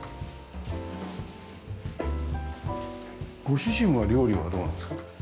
ご主人は料理はどうなんですか？